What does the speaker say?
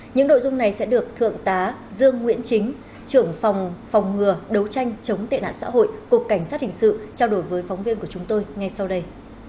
những nội dung này sẽ được thượng tá dương nguyễn chính trưởng phòng phòng ngừa đấu tranh chống tệ nạn xã hội cục cảnh sát hình sự trao đổi với phóng viên của chúng tôi ngay sau đây